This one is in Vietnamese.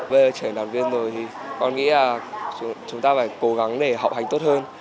với trở thành đoàn viên rồi thì con nghĩ là chúng ta phải cố gắng để học hành tốt hơn